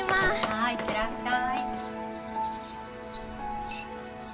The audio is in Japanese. はい行ってらっしゃい。